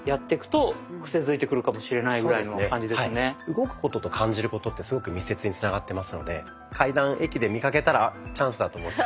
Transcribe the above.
動くことと感じることってすごく密接につながってますので階段駅で見かけたらチャンスだと思って。